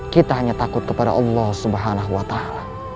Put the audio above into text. kita hanya takut kepada allah subhanahu wa ta'ala